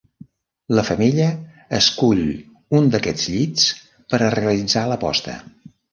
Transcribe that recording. La femella escull un d'aquests llits per a realitzar la posta.